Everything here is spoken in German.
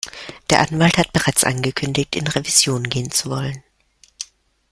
Der Anwalt hat bereits angekündigt, in Revision gehen zu wollen.